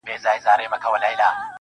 داسي قبـاله مي په وجـود كي ده~